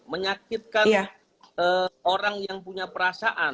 menyakitkan orang yang punya perasaan